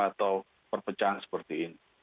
atau perpecahan seperti ini